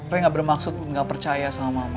rey gak bermaksud gak percaya sama mama